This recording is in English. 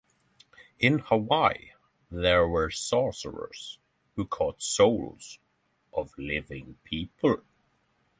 In Hawaii there were sorcerers who caught souls of living people.